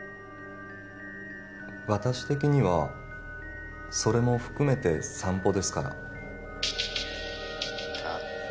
私的にはそれも含めて散歩ですからはっ！？